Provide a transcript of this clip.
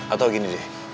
atau gini deh